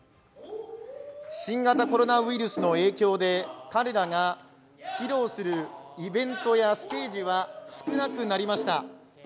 新型コロナウイルスの影響で彼らが披露するイベントやステージは少なくなりました。